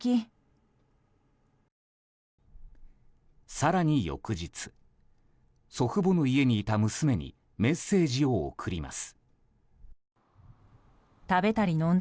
更に翌日、祖父母の家にいた娘にメッセージを送ります。